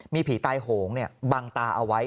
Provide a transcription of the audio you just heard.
มีผีใต้โหงเนี่ยบังตาเอาไว้